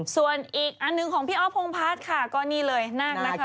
ส่วนอีกอันหนึ่งของพี่อ้อพงภัทร์ก็นิดหนึ่งแล้ว